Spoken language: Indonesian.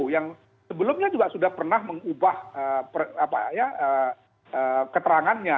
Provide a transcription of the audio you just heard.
yang sebelumnya juga sudah pernah mengubah keterangannya